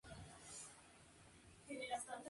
Fue hijo de Ceferino Concepción y Carmen de Gracia.